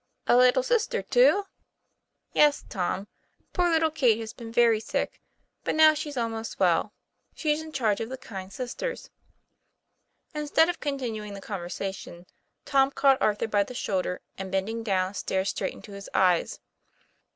"A little sister, too! "* Yes, Tom ; poor little Kate has be.en very sick, TOM PLA YFAIR. 137 but now she's almost well. She's in charge of kind sisters." Instead of continuing the conversation, Tom caught Arthur by the shoulders and bending down stared straight into his eyes.